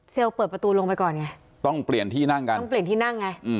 เปิดประตูลงไปก่อนไงต้องเปลี่ยนที่นั่งกันต้องเปลี่ยนที่นั่งไง